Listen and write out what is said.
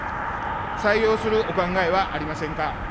採用するお考えはありませんか。